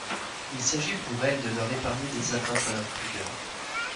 Il s'agit pour elle de leur épargner des atteintes à leur pudeur.